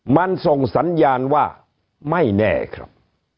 มันส่งสัญญาณว่าไม่แน่ครับ